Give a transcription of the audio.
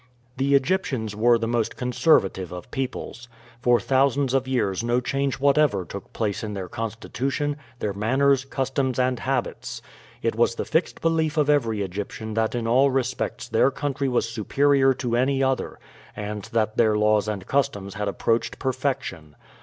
The Egyptians were the most conservative of peoples. For thousands of years no change whatever took place in their constitution, their manners, customs, and habits. It was the fixed belief of every Egyptian that in all respects their country was superior to any other, and that their laws and customs had approached perfection.